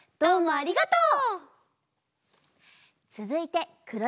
ありがとう！